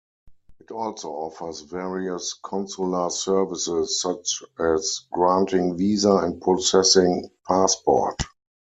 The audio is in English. It also offers various consular services, such as granting visa and processing passport.